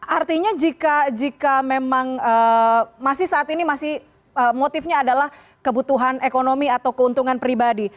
artinya jika memang masih saat ini motifnya adalah kebutuhan ekonomi atau keuntungan pribadi